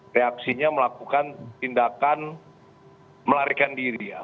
reaksinya melakukan tindakan melarikan diri ya